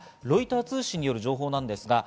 ロイター通信による情報です。